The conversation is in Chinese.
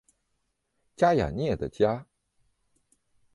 加雅涅的家。